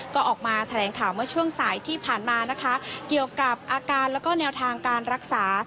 ก็ออกมาแถลงข่าวเมื่อช่วงสายที่ผ่านมานะคะเกี่ยวกับอาการแล้วก็แนวทางการรักษา